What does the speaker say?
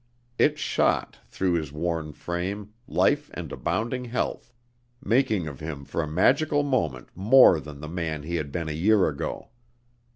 It shot, through his worn frame, life and abounding health, making of him for a magical moment more than the man he had been a year ago.